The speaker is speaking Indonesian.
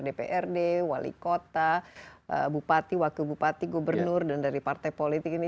dprd wali kota bupati wakil bupati gubernur dan dari partai politik ini